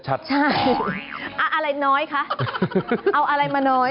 ใช่อะไรน้อยคะเอาอะไรมาน้อย